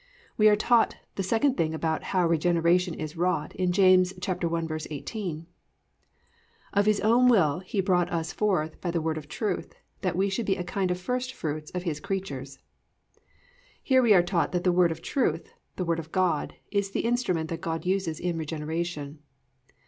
We are taught the second thing about how regeneration is wrought in James 1:18, +"Of His own will he brought us forth by the word of truth, that we should be a kind of first fruits of His creatures."+ _Here we are taught that the Word of Truth, the Word of God, is the instrument that God uses in regeneration.